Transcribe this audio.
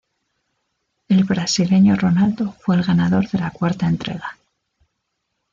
El brasileño Ronaldo fue el ganador de la cuarta entrega.